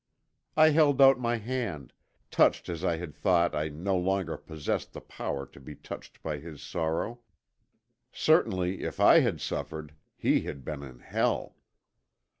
I held out my hand, touched as I had thought I no longer possessed the power to be touched by his sorrow. Certainly if I had suffered, he had been in hell.